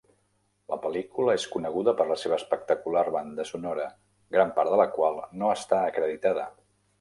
La pel·lícula és coneguda per la seva espectacular banda sonora, gran part de la qual no està acreditada.